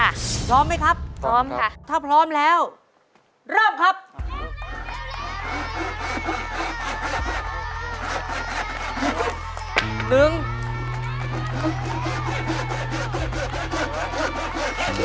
พร้อมไหมครับพร้อมค่ะถ้าพร้อมแล้วเริ่มครับเริ่มแล้วเริ่มแล้ว